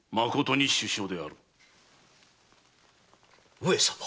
上様！